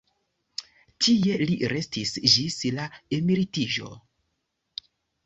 Tie li restis ĝis la emeritiĝo.